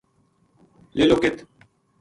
لیلو ک